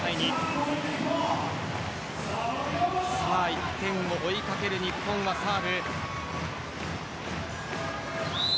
１点を追いかける日本のサーブ。